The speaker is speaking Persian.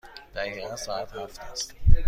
دقیقاً ساعت هفت است.